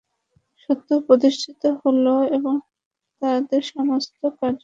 সত্য প্রতিষ্ঠিত হল এবং তাদের সমস্ত কার্যকলাপ মিথ্যা প্রতিপন্ন হল।